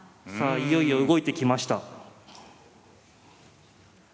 いよいよ動いてきました。